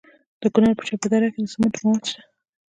د کونړ په چپه دره کې د سمنټو مواد شته.